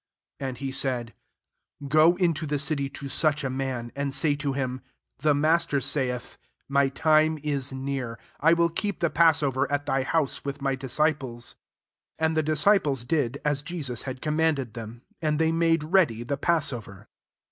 18 And he said, " Gro into the city to such a man, and say to him, * The Master saith, My time is near ; I will keep the passover at tl>y house, with my disciples.' " 19 And the disci ples did as Jesus had command ed them : and they made ready the passover.